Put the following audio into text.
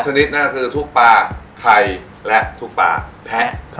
ชนิดนั่นคือทุกปลาไข่และทุกปลาแพ้